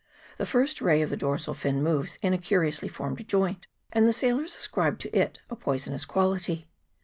The first ray of the dorsal fin moves in a curiously formed joint, and the sailors ascribed to it a poisonous quality.